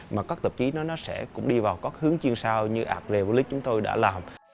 mà các tạp chí nó sẽ cũng đi vào các hướng chuyên sâu như art republic chúng tôi đã làm